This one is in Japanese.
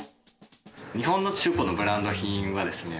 日本の中古のブランド品はですね